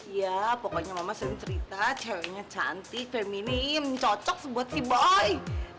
iya pokoknya mama sering cerita cewe nya cantik feminim cocok sebuat si boy